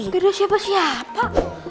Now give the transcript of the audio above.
beda siapa siapa